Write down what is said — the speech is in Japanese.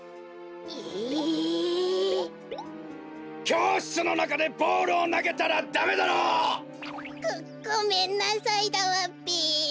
きょうしつのなかでボールをなげたらダメだろ！ごごめんなさいだわべ。